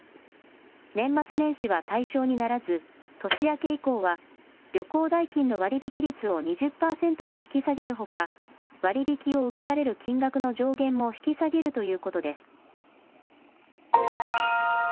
年末年始は対象にならず、年明け以降は、旅行代金の割引率を２０％に引き下げるほか、割引を受けられる金額の上限も引き下げるということです。